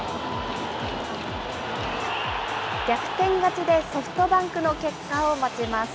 逆転勝ちでソフトバンクの結果を待ちます。